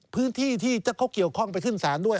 พื้นที่ที่เขาเกี่ยวข้องไปขึ้นศาลด้วย